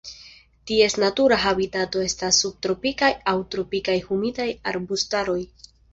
Ties natura habitato estas subtropikaj aŭ tropikaj humidaj arbustaroj.